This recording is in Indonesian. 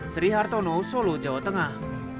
sri hartono solo jawa tengah